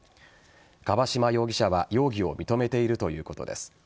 樺島容疑者は容疑を認めているということです。